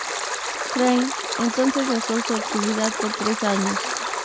Train entonces cesó su actividad por tres años.